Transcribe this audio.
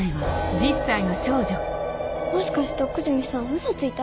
もしかして奥泉さんウソついた？